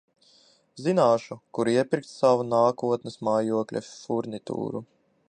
Zināšu, kur iepirkt sava nākotnes mājokļa furnitūru.